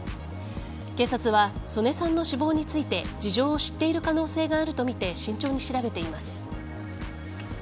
警察は曽根さんの死亡について事情を知っている可能性があるとみて慎重に調べています。